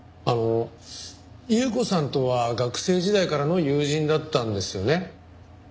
あの優子さんとは学生時代からの友人だったんですよね？